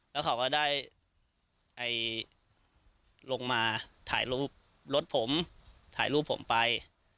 แล้วเขาก็ได้ลงมาถ่ายรูปรถผมถ่ายรูปผมไป